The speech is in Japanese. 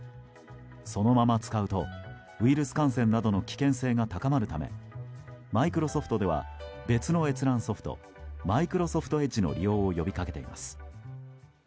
そのまま使うとウイルス感染の危険性が高まるためマイクロソフトでは別の閲覧ソフトマイクロソフトエッジの利用を呼びかけています。